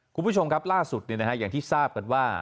คุณผู้ชมครับล่าสุดเนี่ยนะอย่างที่ทราบก่อนว่า